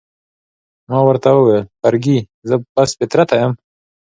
ما ورته وویل: فرګي، زه پست فطرته یم؟